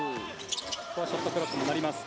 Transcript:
ここはショットクロックになります。